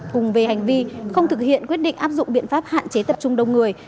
cùng về hành vi không thực hiện quyết định áp dụng biện pháp hạn chế tập trung đông người